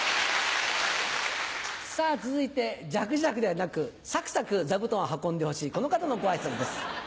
続いてジャクジャクではなくサクサク座布団を運んでほしいこの方のご挨拶です。